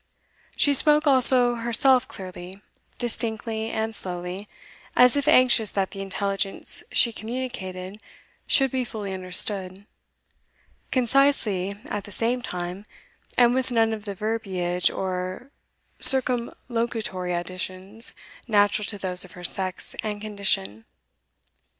She spoke also herself clearly, distinctly, and slowly, as if anxious that the intelligence she communicated should be fully understood; concisely at the same time, and with none of the verbiage or circumlocutory additions natural to those of her sex and condition.